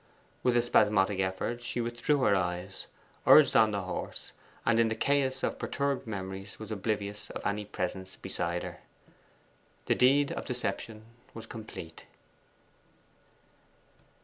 With a spasmodic effort she withdrew her eyes, urged on the horse, and in the chaos of perturbed memories was oblivious of any presence beside her. The deed of deception was complete.